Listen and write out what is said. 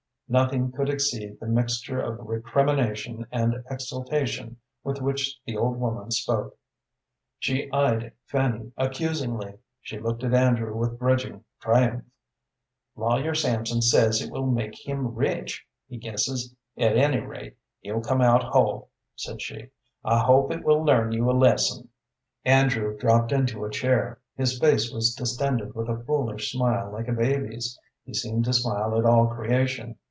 Nothing could exceed the mixture of recrimination and exultation with which the old woman spoke. She eyed Fanny accusingly; she looked at Andrew with grudging triumph. "Lawyer Samson says it will make him rich, he guesses; at any rate, he'll come out whole," said she. "I hope it will learn you a lesson." Andrew dropped into a chair. His face was distended with a foolish smile like a baby's. He seemed to smile at all creation.